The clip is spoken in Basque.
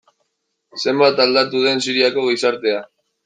Zenbat aldatu den Siriako gizartea.